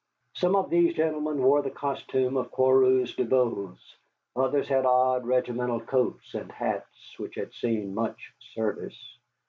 Some of these gentlemen wore the costume of coureurs du bois, others had odd regimental coats and hats which had seen much service.